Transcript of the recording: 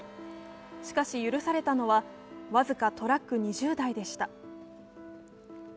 しかし許されたのは僅かトラック２０台でした。